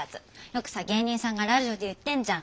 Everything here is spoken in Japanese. よくさ芸人さんがラジオで言ってんじゃん。